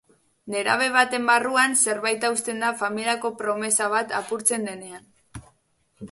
Nerabe baten barruan zerbait hausten da familiako promesa bat apurtzen denean.